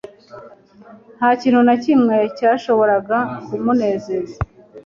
nta kintu na kimwe cyashoboraga kumunezeza